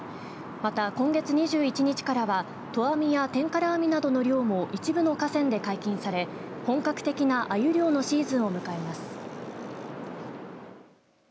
また、今月２１日からは投網やてんから網などの漁も一部の河川で解禁され本格的なあゆ漁のシーズンを迎えます。